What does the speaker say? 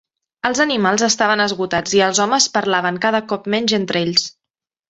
Els animals estaven esgotats i els homes parlaven cada cop menys entre ells.